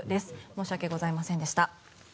申し訳ございませんでした。